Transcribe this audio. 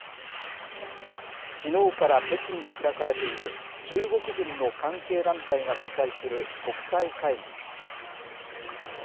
きのうから北京で開かれている中国軍の関係団体が主催する国際会議。